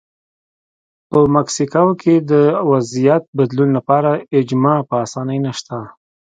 په مکسیکو کې د وضعیت بدلون لپاره اجماع په اسانۍ نشته.